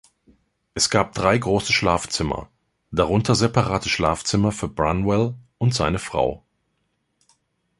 Es gab drei große Schlafzimmer, darunter separate Schlafzimmer für Branwell und seine Frau.